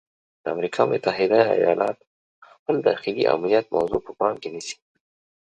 د امریکا متحده ایالات خپل داخلي امنیت موضوع په پام کې نیسي.